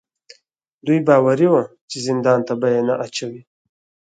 دوی باوري وو چې زندان ته به یې نه اچوي.